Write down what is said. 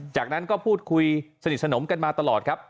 จากนั้นก็พูดคุยสนิทสนมกันมาตลอดครับ